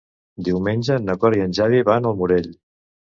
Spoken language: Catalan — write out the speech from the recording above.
Diumenge na Cora i en Xavi van al Morell.